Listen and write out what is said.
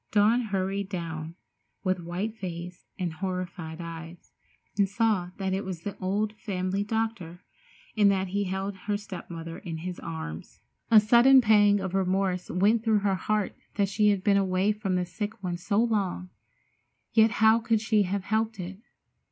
Dawn hurried down, with white face and horrified eyes, and saw that it was the old family doctor, and that he held her step mother in his arms. A sudden pang of remorse went through her heart that she had been away from the sick one so long, yet how could she have helped it?